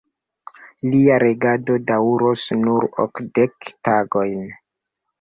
Lia regado daŭros nur okdek tagojn.